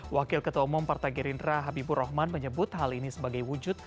wakil ketua umum partai gerindra habibur rahman menyebut hal ini sebagai wujud